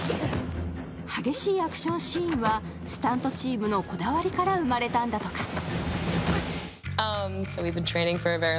激しいアクションシーンはスタントチームのこだわりから生まれたんだとか。